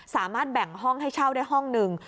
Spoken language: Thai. สามารถแบ่งห้องให้เช่าได้ห้องหนึ่ง